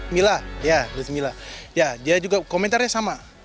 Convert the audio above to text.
mila ya dia juga komentarnya sama